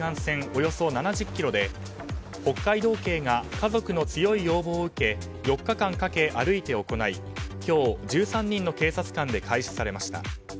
およそ７０ｋｍで北海道警が家族の強い要望を受け４日間かけて歩いて行い今日、１３人の警察官で開始されました。